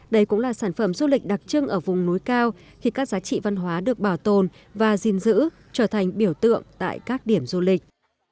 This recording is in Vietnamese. đây cũng là sản phẩm du lịch đặc trưng ở vùng núi cao khi các giá trị văn hóa được bảo tồn và gìn giữ trở thành biểu tượng tại các điểm du lịch